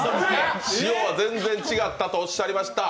塩は全然違ったとおっしゃいました。